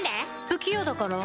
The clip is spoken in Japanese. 不器用だから？